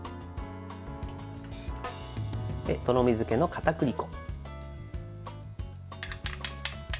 とろみづけのかたくり粉。